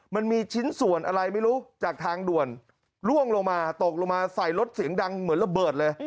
มันมีชิ้นส่วนอะไรไม่รู้จากทางด่วนล่วงลงมาตกลงมาใส่รถเสียงดังเหมือนระเบิดเลย